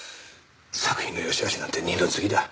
作品の良しあしなんて二の次だ。